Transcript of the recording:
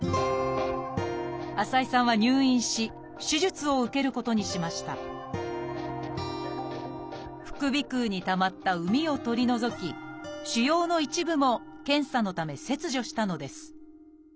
浅井さんは入院し手術を受けることにしました副鼻腔にたまった膿を取り除き腫瘍の一部も検査のため切除したのです。